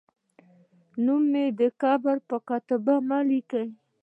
نوم مې د قبر پر کتیبه مه لیکئ